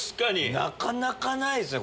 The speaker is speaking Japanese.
なかなかないですね